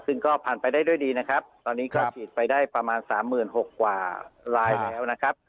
ซึ่งก็ผ่านไปได้ด้วยดีนะครับตอนนี้ก็ฉีดไปได้ประมาณ๓๖๐๐กว่าลายแล้วนะครับ